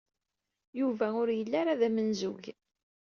Yuba ur yelli ara d amenzug.